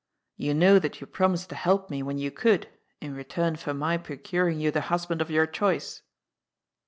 "You know that you promised to help me when you could, in return for my procuring you the hus band of your choice."